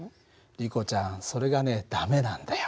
リコちゃんそれがね駄目なんだよ。